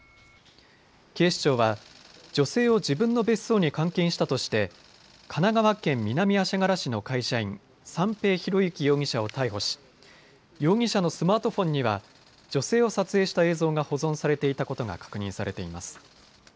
警視庁は女性を自分の別荘に監禁したとして神奈川県南足柄市の会社員、三瓶博幸容疑者を逮捕し容疑者のスマートフォンには女性を撮影した映像が保存されていたことが確認されています。